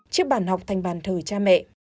chiếc bàn học thành bàn thờ cha mẹ